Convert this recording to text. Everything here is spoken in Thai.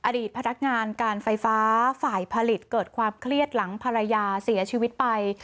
อดีตพนักงานการไฟฟ้าฝ่ายผลิตเกิดความเครียดหลังภรรยาเสียชีวิตไป